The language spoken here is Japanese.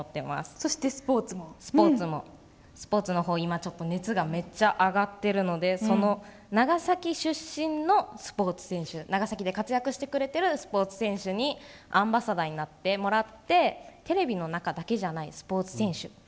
そしてスポーツの方も熱がめっちゃ上がっているので長崎出身のスポーツ選手や長崎で活躍してくれているスポーツ選手にアンバサダーになってもらってテレビの中だけじゃないスポーツ選手。